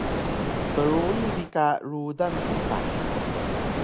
“Sprui bi ka rudan” msa